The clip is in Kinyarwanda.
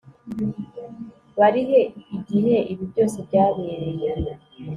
Barihe igihe ibi byose byabereye